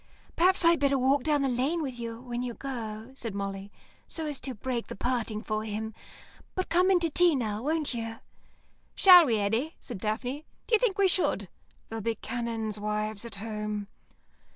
"Perhaps I'd better walk down the lane with you when you go," said Molly, "so as to break the parting for him. But come in to tea now, won't you." "Shall we, Eddy?" said Daphne. "D'you think we should? There'll be canons' wives at home."